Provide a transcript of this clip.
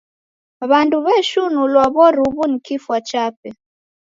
W'andu w'eshinulwa w'oru'wu ni kifwa chape.